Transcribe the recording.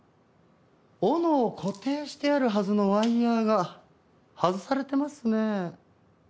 斧を固定してあるはずのワイヤが外されてますねえ。